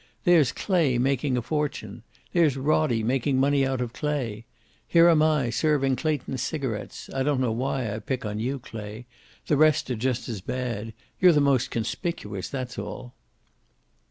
There's Clay making a fortune. There's Roddie, making money out of Clay. Here am I, serving Clayton's cigarets I don't know why I pick on you, Clay. The rest are just as bad. You're the most conspicuous, that's all."